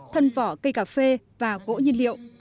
thân vỏ cây cà phê và gỗ nhiên liệu